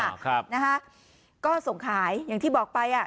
ครับนะฮะก็ส่งขายอย่างที่บอกไปอ่ะ